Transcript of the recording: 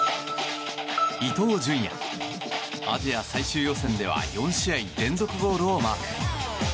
伊東純也、アジア最終予選では４試合連続ゴールをマーク。